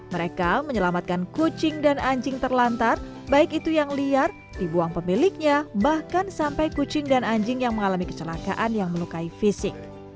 mereka menyelamatkan kucing dan anjing terlantar baik itu yang liar dibuang pemiliknya bahkan sampai kucing dan anjing yang mengalami kecelakaan yang melukai fisik